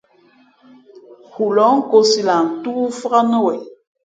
Hulǒh nkōsī lah ntóó fāk nά wen.